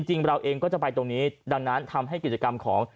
จริงเราเองก็จะไปตรงนี้ดังนั้นทำให้กิจกรรมของ